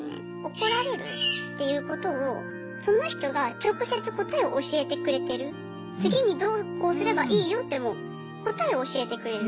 怒られるっていうことをその人が直接答えを教えてくれてる次にどうこうすればいいよってもう答えを教えてくれる。